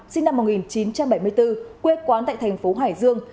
sinh năm một nghìn chín trăm bảy mươi bốn quê quán tại thành phố hải dương